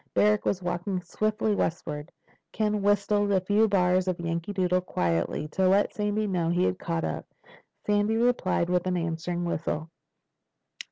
Barrack was walking swiftly eastward. Ken whistled a few bars of "Yankee Doodle," quietly, to let Sandy know he had caught up. Sandy replied with an answering whistle.